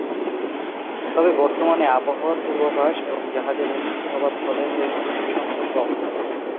তবে বর্তমানে আবহাওয়ার পূর্বাভাস এবং জাহাজের উন্নতি হবার ফলে দুর্ঘটনার সংখ্যা কম।